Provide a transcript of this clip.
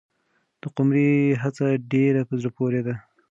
د قمرۍ هڅه ډېره په زړه پورې ده.